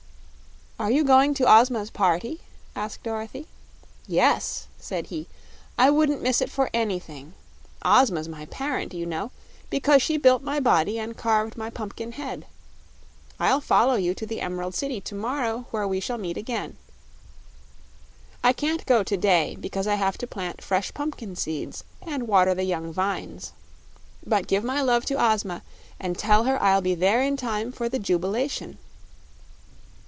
"Are you going to Ozma's party?" asked Dorothy. "Yes," said he, "I wouldn't miss it for anything. Ozma's my parent, you know, because she built my body and carved my pumpkin head. I'll follow you to the Emerald City to morrow, where we shall meet again. I can't go to day, because I have to plant fresh pumpkin seeds and water the young vines. But give my love to Ozma, and tell her I'll be there in time for the jubilation."